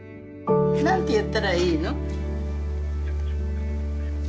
何て言ったらいいの？